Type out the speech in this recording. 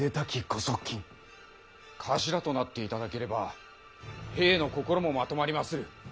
頭となっていただければ兵の心も纏まりまする。